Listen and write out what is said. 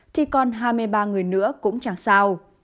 thì còn hai mươi ba người nữa cũng chẳng sao